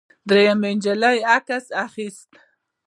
درېیمې نجلۍ عکس اخیست.